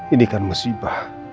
ini kan musibah